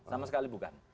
sama sekali bukan